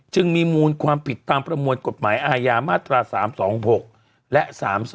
จึงมีมูลความผิดตามประมวลกฎหมายอาญามาตรา๓๒๖และ๓๒